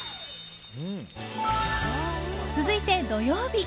続いて、土曜日。